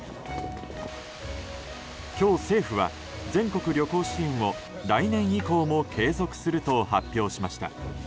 今日、政府は全国旅行支援を来年以降も継続すると発表しました。